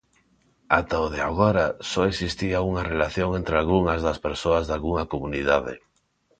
Ata o de agora só existía unha relación entre algunhas das persoas dalgunha comunidade.